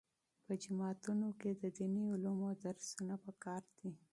په جوماتونو کې د دیني علومو درسونه پکار دي.